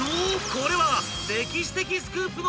これは］